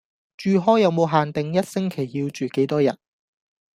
住 hall 有無限定一星期要住幾多日?